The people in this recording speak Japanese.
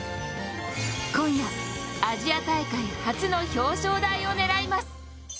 今夜、アジア大会初の表彰台を狙います。